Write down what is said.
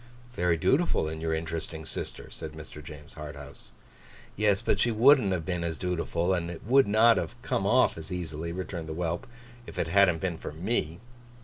'Very dutiful in your interesting sister,' said Mr. James Harthouse. 'Yes, but she wouldn't have been as dutiful, and it would not have come off as easily,' returned the whelp, 'if it hadn't been for me.